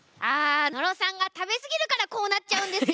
野呂さんが食べ過ぎるからこうなっちゃうんですよ。